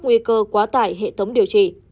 nguy cơ quá tải hệ thống điều trị